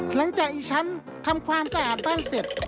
หลังจากฉันทำความสะอาดบ้านเสร็จ